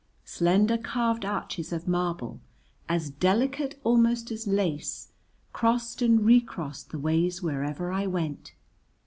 Slender carved arches of marble, as delicate almost as lace, crossed and re crossed the ways wherever I went.